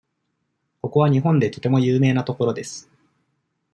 ここは日本でとても有名な所です。